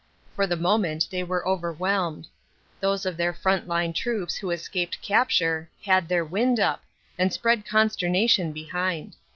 For the moment they were overwhelmed. Those of their front line troops who escaped capture "had their wind up," and spread consternation behind.